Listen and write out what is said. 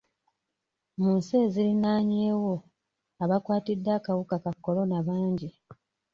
Mu nsi eziriraanyeewo, abakwatiddwa akawuka ka kolona bangi.